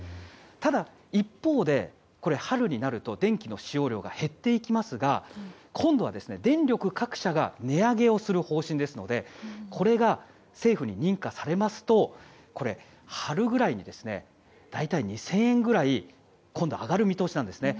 ただ一方で、春になると電気の使用量が減っていきますが今度は電力各社が値上げをする方針ですのでこれが政府に認可されますと春ぐらいに大体２０００円ぐらい今度は上がる見通しなんですね。